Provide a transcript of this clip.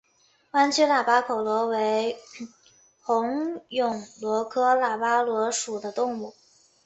弯曲喇叭口螺为虹蛹螺科喇叭螺属的动物。